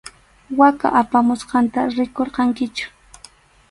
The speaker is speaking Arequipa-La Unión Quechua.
Waka apamusqanta rikurqankichu.